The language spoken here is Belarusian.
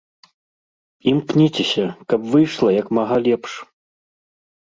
Імкніцеся, каб выйшла як мага лепш.